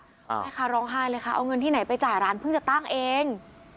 แม่ค้าร้องไห้เลยค่ะเอาเงินที่ไหนไปจ่ายร้านเพิ่งจะตั้งเอง